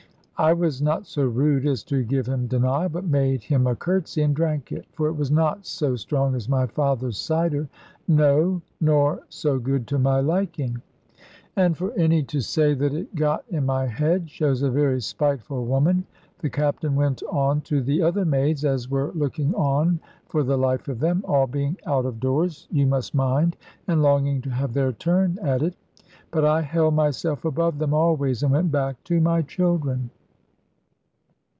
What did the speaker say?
I was not so rude as to give him denial, but made him a curtsy, and drank it, for it was not so strong as my father's cider; no, nor so good to my liking. And for any to say that it got in my head, shows a very spiteful woman. The Captain went on to the other maids, as were looking on for the life of them, all being out of doors, you must mind, and longing to have their turn at it. But I held myself above them always, and went back to my children.